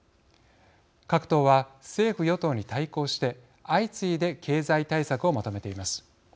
各党は政府・与党に対抗して相次いで経済対策をまとめています。